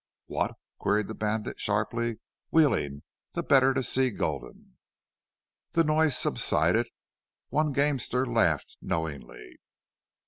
"What?" queried the bandit, sharply, wheeling, the better to see Gulden. The noise subsided. One gamester laughed knowingly.